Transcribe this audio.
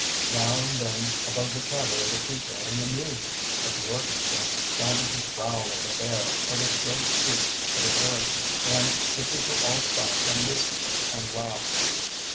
Now and then, above the chatter of the people and the music of the orchestra, sounded the growl of a bear or the shrill screech of a paroquet, and the people all stopped and listened and laughed.